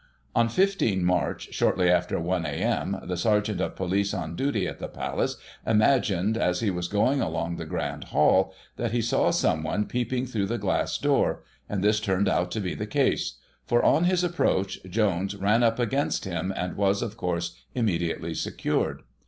On 15 March, shortly after i a.m., the sergeant of police on duty at the Palace imagined, as he was going along the Grand Hall, that he saw someone peeping through the glass door, and this turned out to be the case ; for, on his approach, Jones ran up against him, and was^ of course, immediately secured.